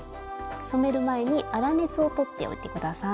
染める前に粗熱を取っておいて下さい。